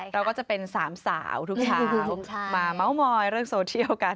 เราก็จะเป็นสามสาวทุกเช้ามาเมาส์มอยเรื่องโซเชียลกัน